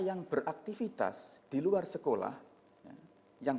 yang beraktivitas di luar sekolah yang